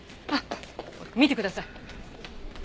あっ見てください。